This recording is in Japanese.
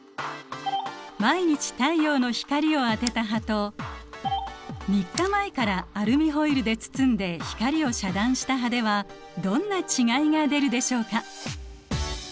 毎日太陽の光を当てた葉と３日前からアルミホイルで包んで光を遮断した葉ではどんな違いが出るでしょうか？